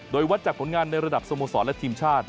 โดยวัดจากผลงานในระดับสโมสรและทีมชาติ